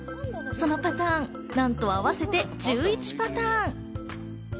そのパターン、なんと合わせて１１パターン。